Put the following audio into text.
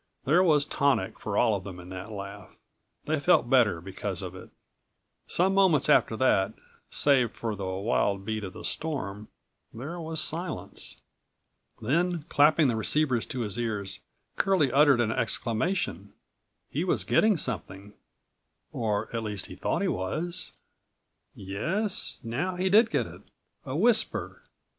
204 There was tonic for all of them in that laugh. They felt better because of it. Some moments after that, save for the wild beat of the storm, there was silence. Then, clapping the receivers to his ears, Curlie uttered an exclamation. He was getting something, or at least thought he was. Yes, now he did get it, a whisper.